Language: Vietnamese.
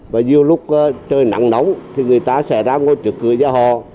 và nhiều lúc trời nặng nóng thì người ta sẽ ra ngôi chợ cửa giá hò